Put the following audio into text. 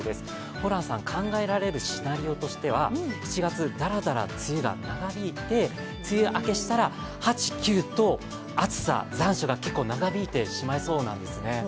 ホランさん、考えられるシナリオとしては、７月だらだら梅雨が長引いて、梅雨明けしたら８、９月と残暑が結構長引いてしまいそうなんですね。